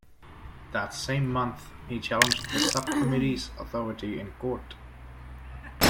That same month he challenged the subcommittee's authority in court.